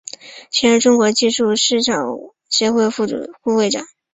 现任中国技术市场协会副会长。